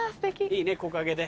いいね木陰で。